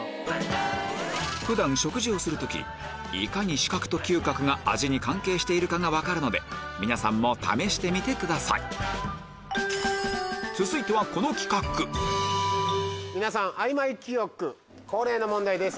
普段食事をする時いかに視覚と嗅覚が味に関係しているかが分かるので皆さんあいまい記憶恒例の問題です。